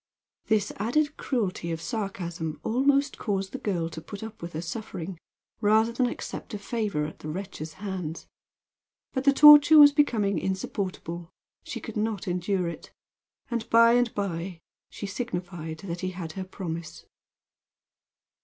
This added cruelty of sarcasm almost caused the girl to put up with her suffering rather than accept a favor at the wretch's hands; but the torture was becoming insupportable. She could not endure it; and, by and by, she signified that he had her promise.